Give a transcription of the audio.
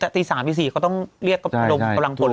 ตี๓ตี๔เขาต้องเรียกกลงกำลังปลบ